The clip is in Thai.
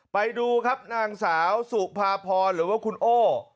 ไปดูครับนางสาวสุภาพรหรือว่าคุณโอ้